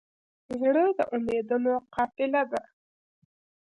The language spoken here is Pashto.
زړه د امیدونو قافله ده.